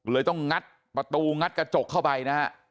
ต้องงัดประตูงัดกระจกเข้าไปนะฮะ